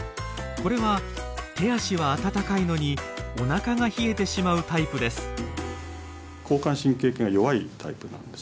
これは手足は温かいのにおなかが冷えてしまうタイプです。